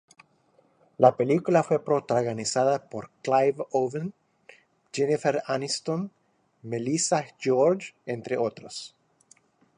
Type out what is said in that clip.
La película fue protagonizada por Clive Owen, Jennifer Aniston y Melissa George, entre otros.